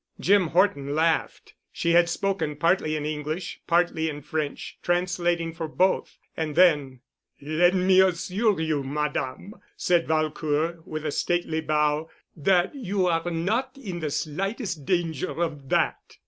Jim Horton laughed. She had spoken partly in English, partly in French, translating for both, and then, "Let me assure you, Madame," said Valcourt with a stately bow, "that you are not in the slightest danger of that."